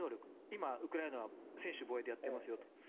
今、ウクライナは専守防衛でやっていますよと。